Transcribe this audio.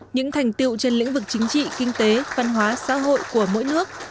những thành tiệu trên lĩnh vực chính trị kinh tế văn hóa xã hội của mỗi nước